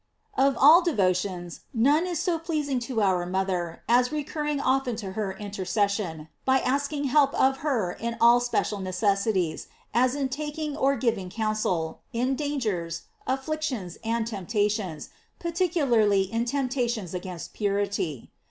OF all devotions, none is so pleasing to our mother, as recurring ofteK to her intercession, by asking help of her in all special necessities, as in taking or giving counsel, in dangers, afflic tions, and temptations, particularly in temptations against purity.